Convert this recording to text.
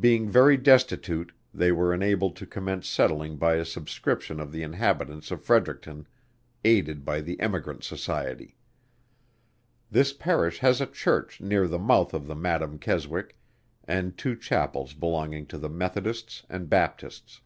Being very destitute, they were enabled to commence settling by a subscription of the inhabitants of Fredericton, aided by the Emigrant Society. This Parish has a Church near the mouth of the Madam Keswick, and two Chapels belonging to the Methodists and Baptists.